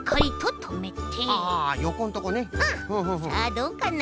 さあどうかな？